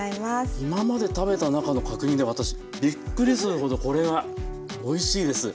今まで食べた中の角煮で私びっくりするほどこれはおいしいです。